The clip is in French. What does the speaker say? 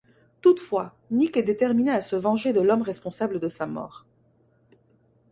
Toutefois, Nick est déterminé à se venger de l'homme responsable de sa mort.